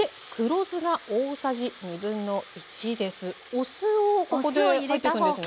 お酢をここで入ってくるんですね？